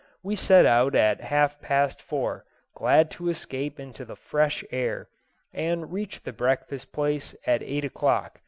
We set out at half past four, glad to escape into the fresh air, and reached the breakfast place at eight o'clock.